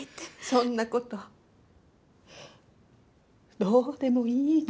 そんなことどうでもいいの。